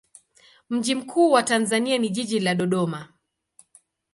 Mji mkuu wa Tanzania ni jiji la Dodoma.